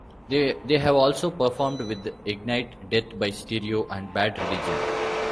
They have also performed with Ignite, Death By Stereo, and Bad Religion.